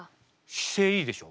姿勢いいでしょ。